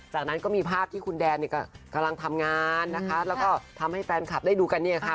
จากนั้นก็มีภาพที่คุณแดนเนี่ยก็กำลังทำงานนะคะแล้วก็ทำให้แฟนคลับได้ดูกันเนี่ยค่ะ